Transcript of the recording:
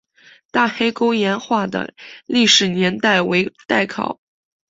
大黑沟岩画的历史年代为待考。